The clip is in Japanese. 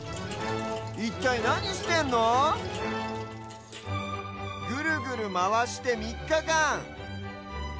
いったいなにしてんの⁉ぐるぐるまわしてみっかかん。